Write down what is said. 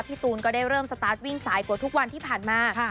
ตูนก็ได้เริ่มสตาร์ทวิ่งสายกว่าทุกวันที่ผ่านมา